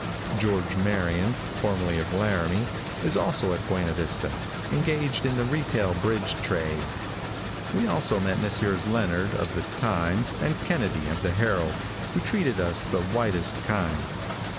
George Marion, formerly of Laramie, is also at Buena Vista, engaged in the retail bridge trade. We also met Messrs. Leonard, of the and Kennedy, of the Herald, who treated us the whitest kind.